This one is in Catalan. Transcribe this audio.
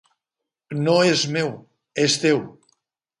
No és meu; és teu.